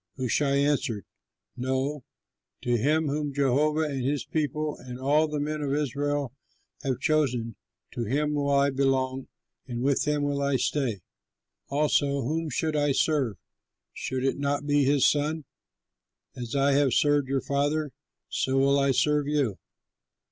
Hushai answered, "No! to him whom Jehovah and his people and all the men of Israel have chosen, to him will I belong and with him will I stay. Also whom should I serve? Should it not be his son? As I have served your father, so will I serve you."